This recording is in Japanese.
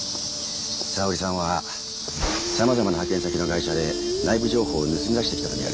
沙織さんは様々な派遣先の会社で内部情報を盗み出してきたとみられます。